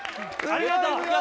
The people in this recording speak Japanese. ありがとう！